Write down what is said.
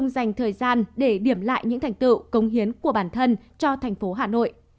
ông nguyễn đức trung dành thời gian để điểm lại những thành tựu cống hiến của bản thân cho thành phố hà nội